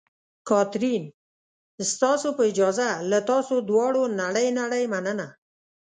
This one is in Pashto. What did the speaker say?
کاترین: ستاسو په اجازه، له تاسو دواړو نړۍ نړۍ مننه.